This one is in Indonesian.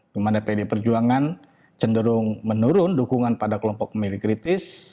dimana pd perjuangan cenderung menurun dukungan pada kelompok pemilih kritis